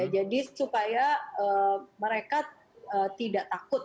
jadi supaya mereka tidak takut